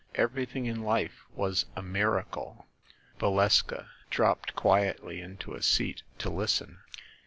Everything in life was a miracle." Valeska dropped quietly into a seat to listen.